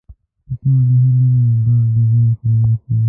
چې ټولې هیلې مې باد د ځان سره یوسي